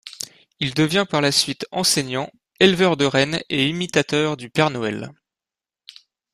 Il devient par la suite enseignant, éleveur de rennes et imitateur du Père Noël.